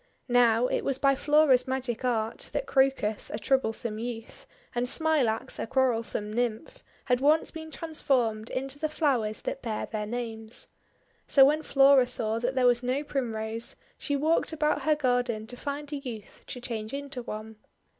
Now, it was by Flora's magic art that Crocus, a troublesome youth, and Smilax, a quarrelsome Nymph, had once been transformed into the flowers that bear their names. So when Flora THE LILIES WHITE 111 saw that there was no Primrose, she walked about her garden to find a youth to change into one.